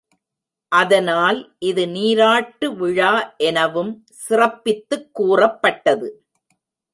அதனால் இது நீராட்டு விழா எனவும் சிறப்பித்துக் கூறப்பட்டது.